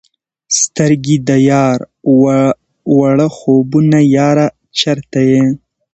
سترګي د یار وړه خوبونه یاره چیرته یې؟